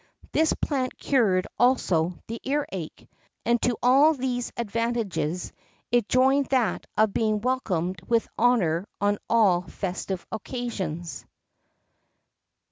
[X 38] This plant cured also the ear ache;[X 39] and to all these advantages, it joined that of being welcomed with honour on all festive occasions.